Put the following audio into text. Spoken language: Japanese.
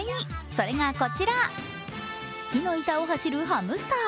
それがこちら、木の板を走るハムスター。